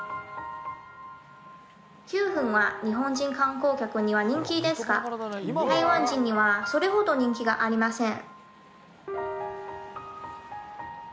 九は日本人観光客には人気ですが台湾人にはそれほど人気がありません。